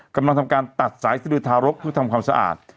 กำลังทำการตัดสายสะดือทารกเพื่อทำความสะอาด